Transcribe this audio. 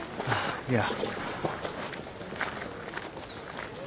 いや。